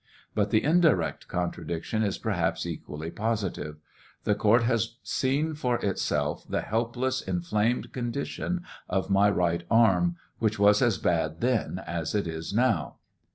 But the indirect contradiction is perhaps equally positive. The court has seen for itself the helpless, inflamed condition of my right arm, which was as bad then as it is now.